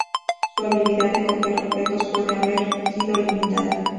Su habilidad de coger objetos puede haber sido limitada.